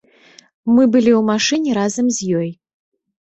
Мы былі ў машыне разам з ёй.